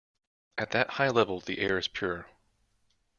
At that high level the air is pure.